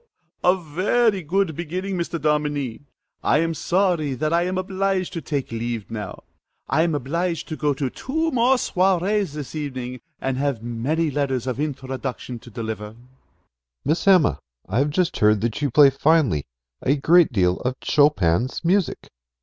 A very good beginning, Mr. Dominie. I am sorry that I am obliged to take leave now: I am obliged to go to two more soirées this evening, and have many letters of introduction to deliver. MR. SILVER. Miss Emma, I have just heard that you play finely a great deal of Chopin's music.